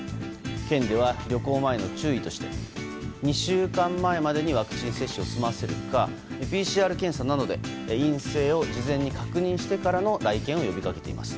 県では旅行前の注意として２週間前までにワクチン接種を済ませるかＰＣＲ検査などで陰性を事前に確認してからの来県を呼び掛けています。